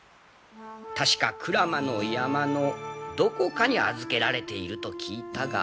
確か鞍馬の山のどこかに預けられていると聞いたが。